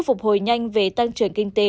phục hồi nhanh về tăng trưởng kinh tế